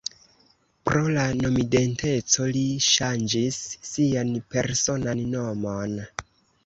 Pro la nomidenteco li ŝanĝis sian personan nomon.